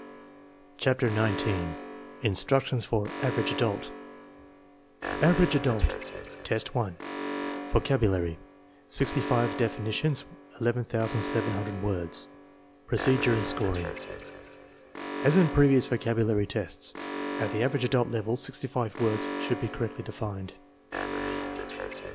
CHAPTER XIX INSTRUCTIONS FOR "AVERAGE ADULT" Average adult, 1 : vocabulary (sixty five definitions, 11,700 words) Procedure and Scoring, as in previous vocabulary tests. 1 At the average adult level sixty five words should be cor rectly defined.